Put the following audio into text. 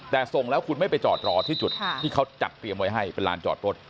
แต่ส่งแล้วคุณไม่ไปจอดรอที่จุดที่เขาจัดเตรียมไว้ให้เป็นลานจอดรถ